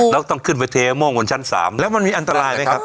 แล้วต้องขึ้นไปเทม่วงบนชั้น๓แล้วมันมีอันตรายไหมครับ